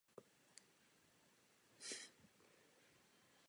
Dlouhodobě se angažuje v Jihočeské univerzitě v Českých Budějovicích.